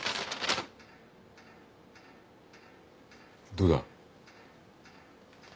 どうだ。